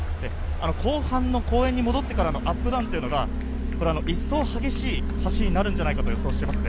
後半の公園に戻ってからのアップダウンというのが一層、激しい走りになるんじゃないかと予想しています。